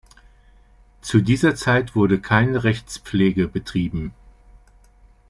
Zu dieser Zeit wurde keine Rechtspflege betrieben.